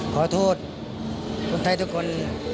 ขอโทษคนไทยทุกคน